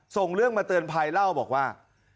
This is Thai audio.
ส่งเรื่องมาเตือนภัยเล่าบอกว่า